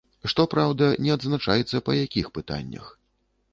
Што праўда, не адзначаецца па якіх пытаннях.